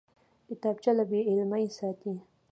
کتابچه له بېعلمۍ ساتي